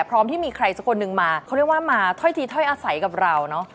พร้อมที่มีใครสักคนหนึ่งมาเขาเรียกว่ามาถ้อยทีถ้อยอาศัยกับเราเนอะ